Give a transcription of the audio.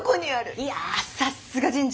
いやさすが人事。